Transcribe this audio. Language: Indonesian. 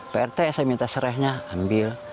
prt saya minta serehnya ambil